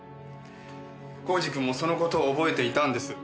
耕治君もその事を覚えていたんです。